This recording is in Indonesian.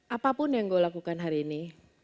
apapun yang gue lakukan hari ini